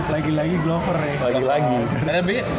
lagi lagi glover ya